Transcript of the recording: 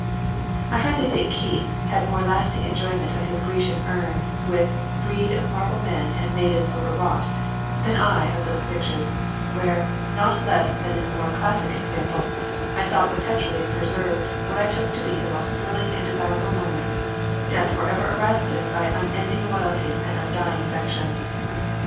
I hardly think Keats had more lasting enjoyment of his Grecian urn with 'brede of marble men and maidens overwrought' than I of those pictures, where, not less than in the more classic example, I saw perpetually preserved what I took to be the most thrilling and desirable of moments, death forever arrested by unending loyalty and undying affection.